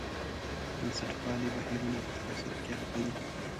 بنسټپالي بهیرونه په سیاست کې اخته دي.